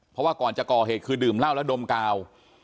เพราะว่าก่อนจะก่อเหตุคือดื่มเหล้าแล้วดมกาว